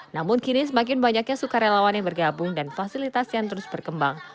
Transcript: namun kini semakin banyaknya sukarelawan yang bergabung dan fasilitas yang terus berkembang